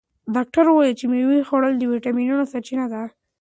ډاکتر وویل چې د مېوې خوړل د ویټامینونو سرچینه ده.